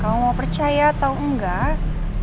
kamu mau percaya atau enggak